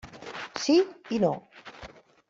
Sí i no.